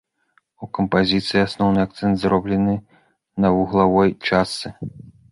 У кампазіцыі асноўны акцэнт зроблены на вуглавой частцы.